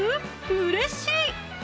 うれしい！